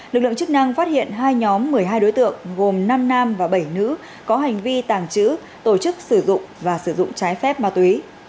lực lượng chức năng phát hiện hai nhóm một mươi hai đối tượng gồm năm nam và bảy nữ có hành vi tàng trữ tổ chức sử dụng và sử dụng trái phép ma túy